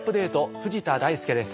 藤田大介です。